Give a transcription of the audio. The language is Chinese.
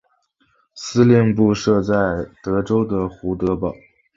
司令部设在德州的胡德堡。